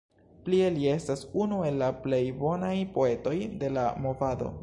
Plie li estas unu el la plej bonaj poetoj de la Movado.